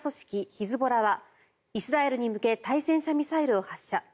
ヒズボラはイスラエルに向け対戦車ミサイルを発射。